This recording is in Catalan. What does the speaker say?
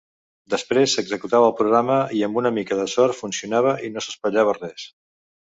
Després s'executava el programa i amb una mica de sort funcionava i no s'espatllava res.